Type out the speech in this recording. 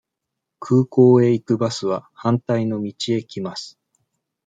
空港へ行くバスは反対の道へ来ます。